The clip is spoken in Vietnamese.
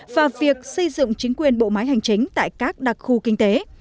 và việc xây dựng chính quyền bộ máy hành chính tại các đặc khu kinh tế